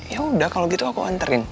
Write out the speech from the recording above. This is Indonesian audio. ya udah kalau gitu aku anterin